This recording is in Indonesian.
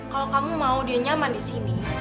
kalau kamu mau dia nyaman di sini